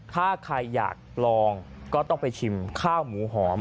ถ้าใครอยากลองก็ต้องไปชิมข้าวหมูหอม